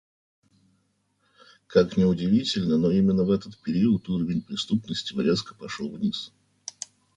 Как ни удивительно, но именно в этот период уровень преступности резко пошел вниз.